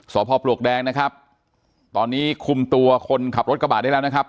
สพปลวกแดงนะครับตอนนี้คุมตัวคนขับรถกระบะได้แล้วนะครับ